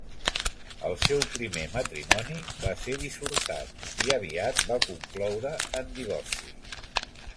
El seu primer matrimoni va ser dissortat, i aviat va concloure en divorci.